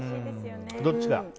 どっちか。